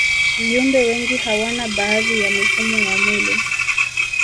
viumbe wengi hawana baadhi ya mifumo ya mwili